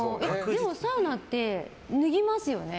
でもサウナって脱ぎますよね。